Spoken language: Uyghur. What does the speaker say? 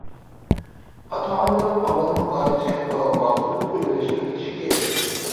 ئاتا- ئانىلار ئامالنىڭ بارىچە بالىغا بالدۇرراق ئۆمىلەشنى ئۆگىتىشى كېرەك.